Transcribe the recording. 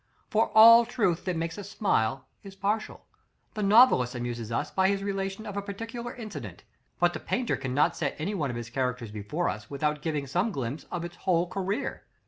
For all truth that makes us smile is partial. The novelist amuses us by his relation of a particular incident; but the painter cannot set any one of his characters before us without giving some glimpse of its whole career.